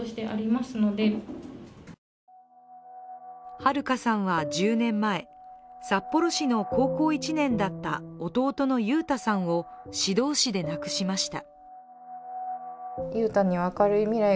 はるかさんは１０年前、札幌市の高校１年だった弟の悠太さんを指導死で亡くしました。